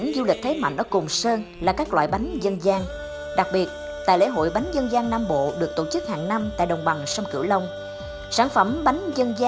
đó là các loại bánh dân gian nam bộ được tổ chức hàng năm tại đồng bằng sông cửu long